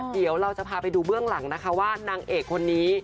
เดี๋ยวเราจะพาไปดูเบื้องหลังนะคะว่านางเอกคนนี้